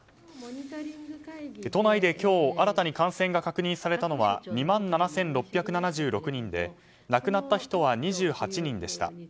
都内で今日新たに感染が確認されたのは２万７６７６人で亡くなった人は２８人でした。